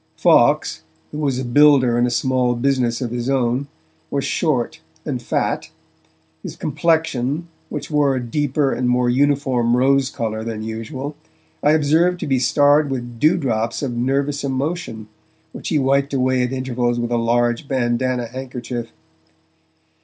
Fawkes, who was a builder in a small business of his own, was short and fat; his complexion, which wore a deeper and more uniform rose colour than usual, I observed to be starred with dew drops of nervous emotion, which he wiped away at intervals with a large bandana handkerchief.